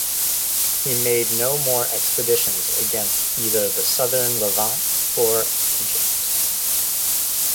He made no more expeditions against either the Southern Levant or Egypt.